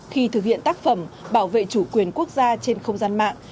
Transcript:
khi thực hiện tác phẩm bảo vệ chủ quyền quốc gia trên không gian mạng